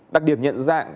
đặc điểm nhận dạng